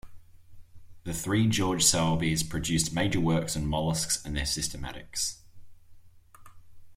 The three George Sowerbys produced major works on molluscs and their systematics.